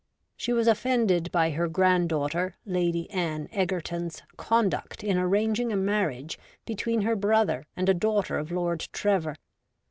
She was offended by her granddaughter. Lady Anne Egerton's conduct in arranging a marriage between her brother and a daughter of Lord Trevor.